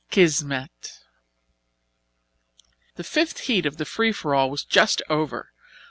Kismet The fifth heat in the free for all was just over.